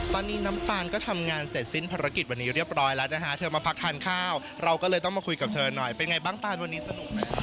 ตอนนี้น้ำตาลก็ทำงานเสร็จสิ้นภารกิจวันนี้เรียบร้อยแล้วนะคะเธอมาพักทานข้าวเราก็เลยต้องมาคุยกับเธอหน่อยเป็นไงบ้างตานวันนี้สนุกไหม